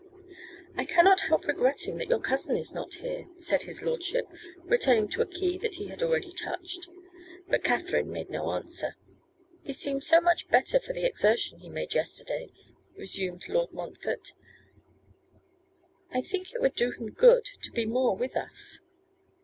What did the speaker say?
'I cannot help regretting that your cousin is not here,' said his lordship, returning to a key that he had already touched. But Katherine made no answer. 'He seemed so much better for the exertion he made yesterday,' resumed Lord Montfort. 'I think it would do him good to be more with us.